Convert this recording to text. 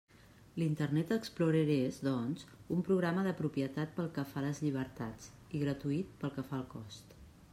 L'Internet Explorer és, doncs, un programa de propietat pel que fa a les llibertats, i gratuït pel que fa al cost.